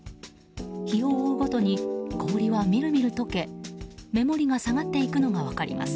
日を追うごとに氷はみるみる溶け目盛りが下がっていくのが分かります。